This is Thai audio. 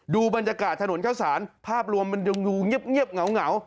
ดูบรรยากาศถนนข้าวสารภาพรวมมันยังดูเงียบเหงา